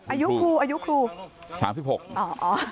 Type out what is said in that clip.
อายุครูอายุครู